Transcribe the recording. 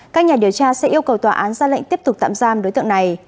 các nhà điều tra sẽ yêu cầu tòa án ra lệnh tiếp tục tạm giam đối tượng này